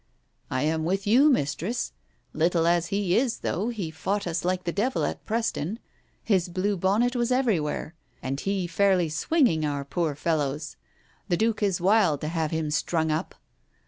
"I am with you, Mistress. Little as he is, though, he fought us like the devil at Preston. His blue bonnet was everywhere, and he fairly swinged our poor fellows 1 The Duke is wild to have him strung up.